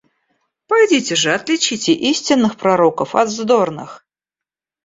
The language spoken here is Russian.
Пойдите же, отличите истинных пророков от вздорных.